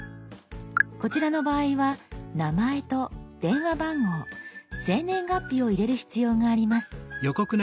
こちらの場合は「名前」と「電話番号」「生年月日」を入れる必要があります。